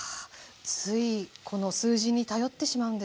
ついこの数字に頼ってしまうんですよね。